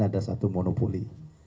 ada satu monopoli